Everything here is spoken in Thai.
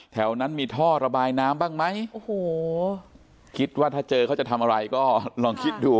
แถวนั้นมีท่อระบายน้ำบ้างไหมโอ้โหคิดว่าถ้าเจอเขาจะทำอะไรก็ลองคิดดู